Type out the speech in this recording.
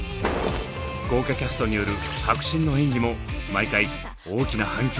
豪華キャストによる迫真の演技も毎回大きな反響を呼んでいます。